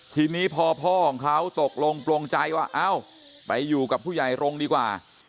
ทีนี้พ่อของเขาตกลงปลงใจว่าไปอยู่กับผู้ใหญ่โรงดีกว่า